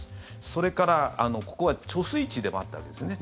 それから、ここは貯水池でもあったわけですね。